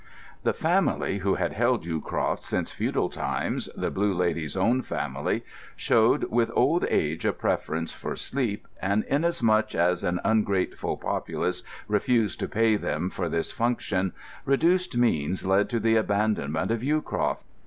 The family who had held Yewcroft since feudal times, the Blue Lady's own family, showed with old age a preference for sleep, and inasmuch as an ungrateful populace refused to pay them for this function, reduced means led to the abandonment of Yewcroft.